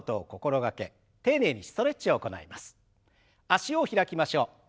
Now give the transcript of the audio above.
脚を開きましょう。